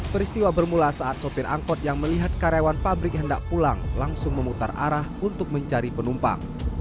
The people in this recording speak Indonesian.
peristiwa bermula saat sopir angkot yang melihat karyawan pabrik hendak pulang langsung memutar arah untuk mencari penumpang